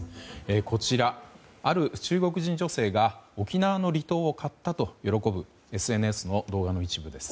こちら、ある中国人女性が沖縄の離島を買ったと喜ぶＳＮＳの動画の一部です。